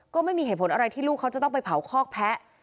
ก็ไม่มีเหตุผลอะไรที่ลูกเขาจะต้องไปเผาคอกแพ้